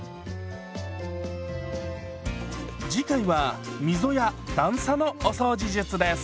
次回は溝や段差のお掃除術です。